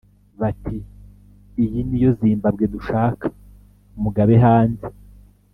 Bati “Iyi niyo Zimbabwe dushaka… Mugabe hanze